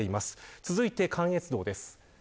続いて関越道です。